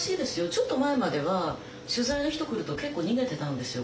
ちょっと前までは取材の人来ると結構逃げてたんですよ